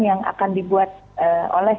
yang akan dibuat oleh